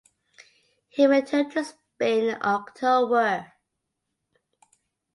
He returned to Spain in October.